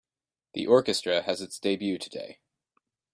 The orchestra has its debut today.